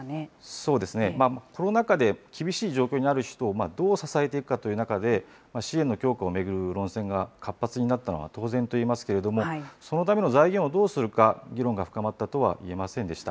そうですね、コロナ禍で厳しい状況にある人をどう支えていくのかという中で、支援の強化を巡る論戦が活発になったのは当然といえますけれども、そのための財源をどうするか、議論が深まったとはいえませんでした。